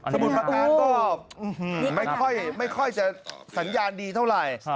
มุดประการก็ไม่ค่อยจะสัญญาณดีเท่าไหร่